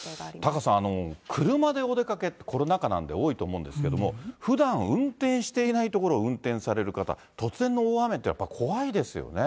タカさん、車でお出かけ、コロナ禍なんで多いと思うんですけれども、ふだん運転していない所を運転される方、突然の大雨ってやっぱり怖いですよね。